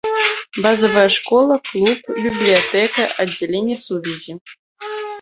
Базавая школа, клуб, бібліятэка, аддзяленне сувязі.